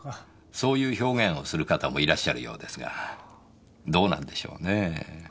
そういう表現をする方もいらっしゃるようですがどうなんでしょうねえ。